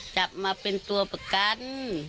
จับมาเป็นตัวประกัน